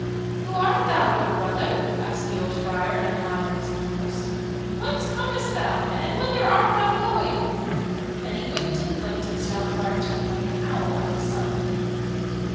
"Who art thou, good brother?" asked the old friar, in a high, wheezing voice. "Whence comest thou, and whither art thou going?" And he winked and blinked at stout Friar Tuck like an owl at the sun.